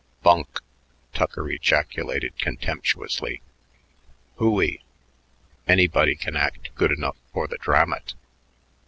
"Bunk!" Tucker ejaculated contemptuously. "Hooey! Anybody can act good enough for the Dramat.